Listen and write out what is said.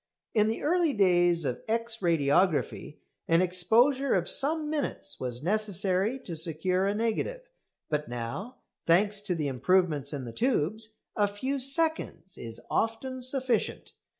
In the early days of X radiography an exposure of some minutes was necessary to secure a negative, but now, thanks to the improvements in the tubes, a few seconds is often sufficient.